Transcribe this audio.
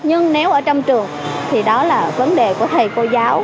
nhưng nếu ở trong trường thì đó là vấn đề của thầy cô giáo